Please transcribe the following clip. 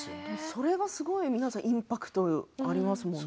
それが皆さんインパクトありますよね。